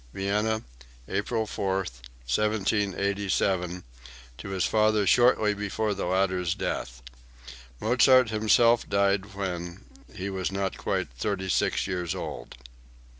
(Vienna, April 4, 1787, to his father, shortly before the latter's death. Mozart himself died when, he was not quite thirty six years old.)